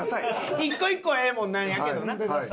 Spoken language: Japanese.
一個一個はええもんなんやけどな。